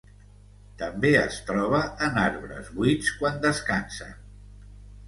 També es troba en arbres buits quan descansen.